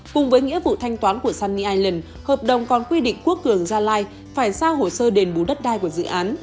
cùng với nghĩa vụ thanh toán của sunny ireland hợp đồng còn quy định quốc cường gia lai phải giao hồ sơ đền bù đất đai của dự án